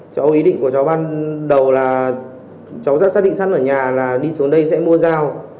cháu ý định của cháu văn đầu là cháu đã xác định sẵn ở nhà là đi xuống đây sẽ mua dao